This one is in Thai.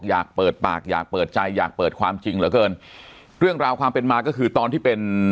อยากเปิดปากอยากเปิดใจอยากเปิดความจริงเหลือเกินเรื่องราวความเป็นมาก็คือตอนที่เป็น